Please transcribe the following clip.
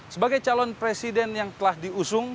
sebagai calon presiden yang telah diusung